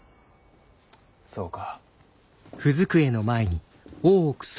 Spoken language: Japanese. そうか。